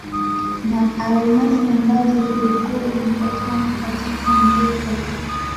na almasi ambazo zilikuwa zinapatikana katika njia tata